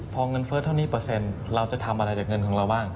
พอเงินเฟ้อเท่านี้เปอร์เซ็นต์เราจะทำอะไรจากเงินของเราบ้าง